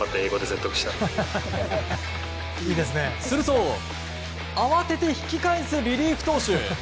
すると慌てて引き返すリリーフ投手。